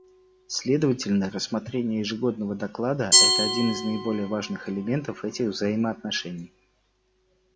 Следовательно, рассмотрение ежегодного доклада — это один из наиболее важных элементов этих взаимоотношений.